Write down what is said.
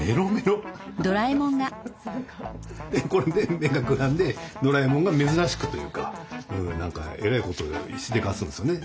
でこれで目がくらんでドラえもんが珍しくというかえらいことしでかすんですよね。